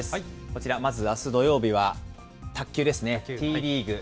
こちら、まずあす土曜日は、卓球ですね、Ｔリーグ。